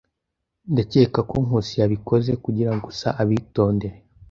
Ndakeka ko Nkusi yabikoze kugirango gusa abitondere.